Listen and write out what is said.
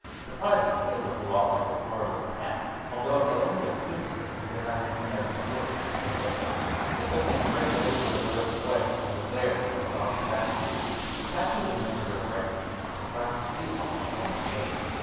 Surprisingly, it looked a lot like a Pluralist town, although it may only have seemed so because I had been out in the woodlands for three days. They took me straightways to the village square, and it was there that I saw the statue. These statues of the Makers are rare, and I was surprised to see one in an Onist village.